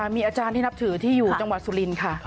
มีอาจารย์ที่นับถือที่อยู่จังหวัดสุรินทร์ค่ะ